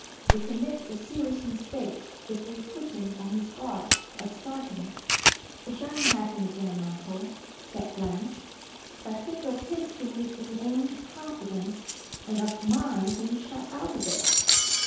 We commit a serious mistake if we put him on his guard at starting." "It sha'n't happen again, uncle," said Blanche. "But think of his being in Anne's confidence, and of my being shut out of it!"